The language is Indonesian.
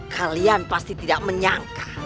kalian pasti tidak menyangka